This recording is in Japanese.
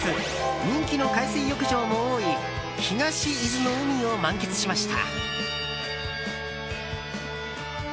人気の海水浴場も多い東伊豆の海を満喫しました。